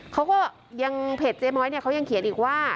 เขาก็ยังเพจเจ๊ม้อยเนี่ยเขายังเขียนอีกว่า